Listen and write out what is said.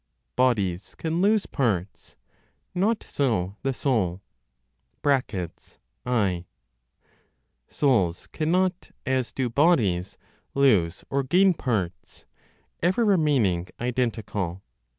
BODIES CAN LOSE PARTS, NOT SO THE SOUL. (i.) (Souls cannot, as do bodies, lose or gain parts, ever remaining identical.)